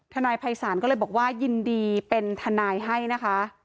นายภัยศาลก็เลยบอกว่ายินดีเป็นทนายให้นะคะ